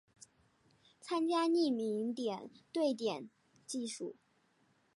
参见匿名点对点技术。